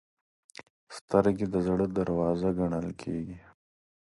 سترګې د زړه دروازه ګڼل کېږي